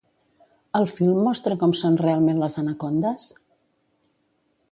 El film mostra com són realment les anacondes?